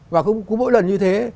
và cũng mỗi lần như thế